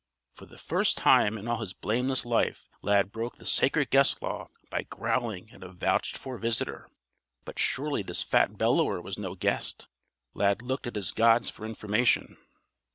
For the first time in all his blameless life Lad broke the sacred Guest Law by growling at a vouched for visitor. But surely this fat bellower was no guest! Lad looked at his gods for information.